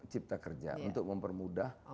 cipta kerja untuk mempermudah